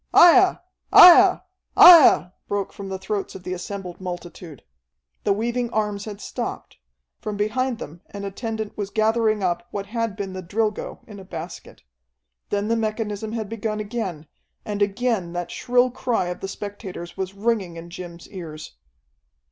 "Aiah! Aiah! Aiah!" broke from the throats of the assembled multitude. The weaving arms had stopped. From behind them an attendant was gathering up what had been the Drilgo in a basket. Then the mechanism had begun again, and again that shrill cry of the spectators was ringing in Jim's ears.